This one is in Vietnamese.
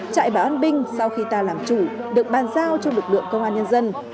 trại bảo an binh sau khi ta làm chủ được bàn giao cho lực lượng công an nhân dân